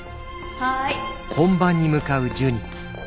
はい。